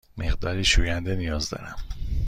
مقداری شوینده نیاز دارم.